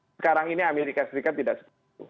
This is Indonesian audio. sekarang ini amerika serikat tidak seperti itu